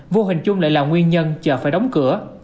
vô hình chung lại là nguyên nhân chờ phải đóng cửa